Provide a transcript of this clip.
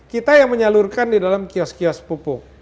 kita yang menyalurkan di dalam kios kios pupuk